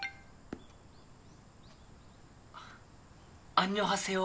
アンニョンハセヨ。